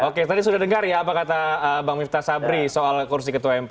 oke tadi sudah dengar ya apa kata bang miftah sabri soal kursi ketua mpr